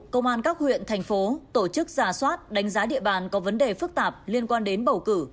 công an các huyện thành phố tổ chức giả soát đánh giá địa bàn có vấn đề phức tạp liên quan đến bầu cử